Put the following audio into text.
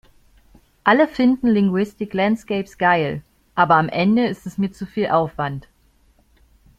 Alle finden Linguistic Landscapes geil, aber am Ende ist es mir zu viel Aufwand.